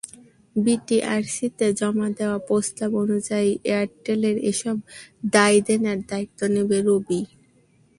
বিটিআরসিতে জমা দেওয়া প্রস্তাব অনুযায়ী, এয়ারটেলের এসব দায়দেনার দায়িত্ব নেবে রবি।